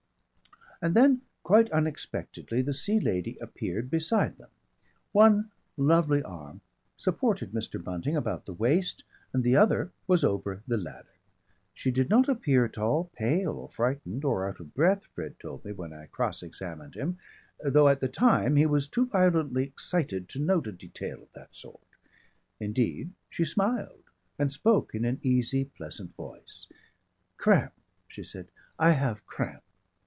And then quite unexpectedly the Sea Lady appeared beside them. One lovely arm supported Mr. Bunting about the waist and the other was over the ladder. She did not appear at all pale or frightened or out of breath, Fred told me when I cross examined him, though at the time he was too violently excited to note a detail of that sort. Indeed she smiled and spoke in an easy pleasant voice. "Cramp," she said, "I have cramp."